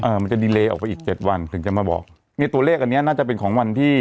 มันจะดีเลออกไปอีกเจ็ดวันถึงจะมาบอกเนี้ยตัวเลขอันเนี้ยน่าจะเป็นของวันที่